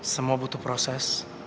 semua butuh proses